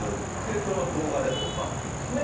それを動画で撮ったっていうことですね。